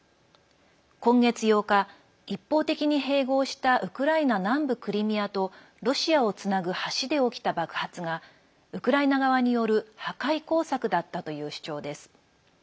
今月８日、一方的に併合したウクライナ南部クリミアとロシアをつなぐ橋で起きた爆発がウクライナ側による破壊工作だったという主張です。